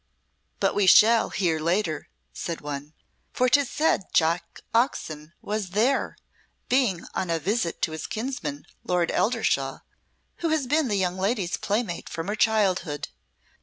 "But we shall hear later," said one, "for 'tis said Jack Oxon was there, being on a visit to his kinsman, Lord Eldershawe, who has been the young lady's playmate from her childhood.